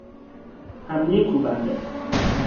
حملهی کوبنده